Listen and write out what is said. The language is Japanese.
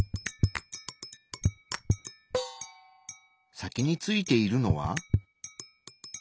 先についているのは。